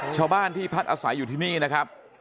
ชาวบ้านที่พักอาศัยอยู่ที่นี่นะครับ